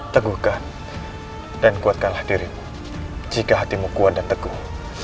teguhkan dan kuatkanlah dirimu jika hatimu kuat dan teguh